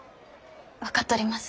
分かっとります。